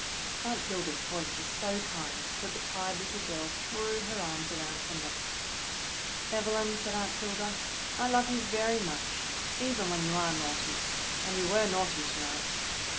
Aunt Hilda's voice was so kind that the tired little girl threw her arms around her neck. "Evelyn," said Aunt Hilda, "I love you very much, even when you are naughty, and you were naughty to night.